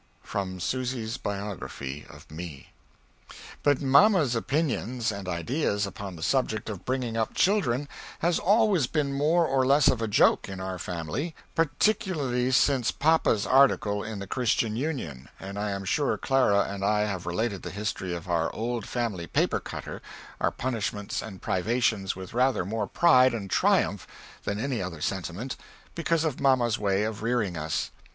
From Susy's Biography of Me. But Mamma's oppinions and ideas upon the subject of bringing up children has always been more or less of a joke in our family, perticularly since Papa's article in the "Christian Union," and I am sure Clara and I have related the history of our old family paper cutter, our punishments and privations with rather more pride and triumph than any other sentiment, because of Mamma's way of rearing us.